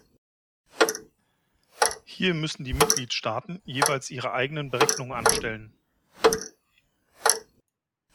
Hier müssen die Mitgliedstaaten jeweils ihre eigenen Berechnungen anstellen.